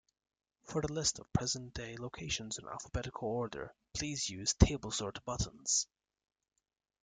For the list of present-day locations in alphabetical order, please use table-sort buttons.